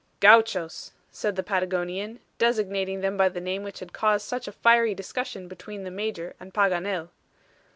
"Gauchos," said the Patagonian, designating them by the name which had caused such a fiery discussion between the Major and Paganel.